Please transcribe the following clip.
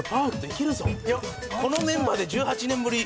このメンバーで１８年ぶり。